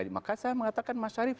maka saya mengatakan mas syarif